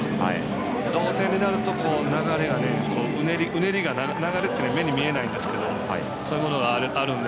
同点になると流れがうねりというのは目に見えないですけどそういうものがあるので。